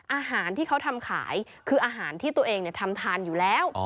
อาหารที่เขาทำขายคืออาหารที่ตัวเองทำทานอยู่แล้ว